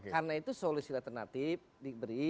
karena itu solusi alternatif diberi